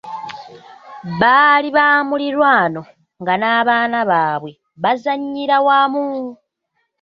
Baali ba mulirwano nga n'abaana babwe bazanyira wamu.